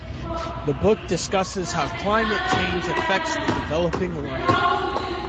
The book discusses how climate change affects the developing world.